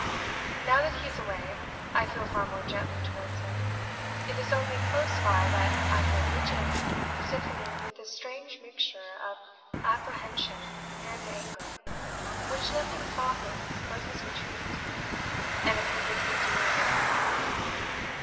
Now that he is away, I feel far more gently towards him, it is only close by that I grow rigid, stiffening with a strange mixture of apprehension and anger, which nothing softens but his retreat, and a perfect subduing of his manner.